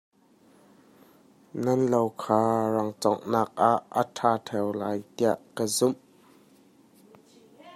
Nan lo kha rangconghnak ah a ṭha ṭheu lai tiah ka zumh.